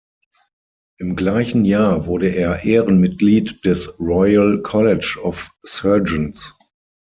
Im gleichen Jahr wurde er Ehrenmitglied des Royal College of Surgeons.